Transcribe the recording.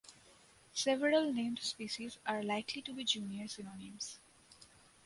Several named species are likely to be junior synonyms.